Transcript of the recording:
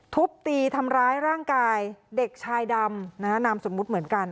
ทุบตีทำร้ายร่างกายเด็กชายดำนามสมมุติเหมือนกัน